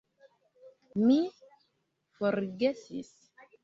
Mi forgesis